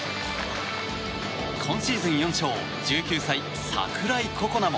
今シーズン４勝１９歳、櫻井心那も。